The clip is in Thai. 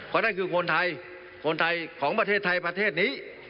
คนไทยของประเทศไทยประเทศนี้